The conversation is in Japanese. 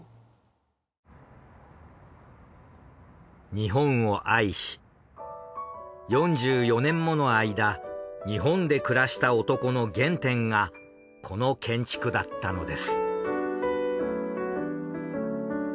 日本を愛し４４年もの間日本で暮らした男の原点がこの建築だったのです。